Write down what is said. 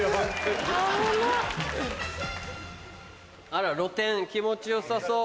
あら露天気持ち良さそう。